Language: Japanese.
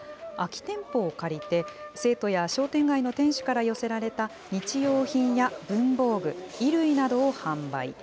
空き店舗を借りて、生徒や商店街の店主から寄せられた日用品や文房具、衣類などを販売。